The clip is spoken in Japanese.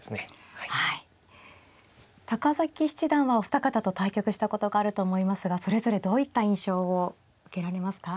七段はお二方と対局したことがあるそれぞれどういった印象を受けられますか。